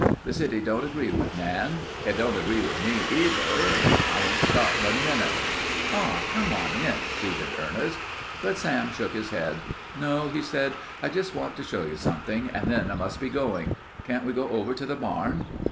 "The city don't agree with Nan. It don't agree with me much, either. I won't stop but a minute." "Aw, come on in," pleaded Ernest. But Sam shook his head. "No," said he, "I just want to show you something, and then I must be goin'. Can't we go over to the barn?"